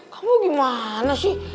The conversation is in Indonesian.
kamu gimana sih